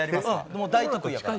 もう大得意やから。